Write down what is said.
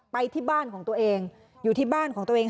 ไปที่บ้านของตัวเองอยู่ที่บ้านของตัวเอง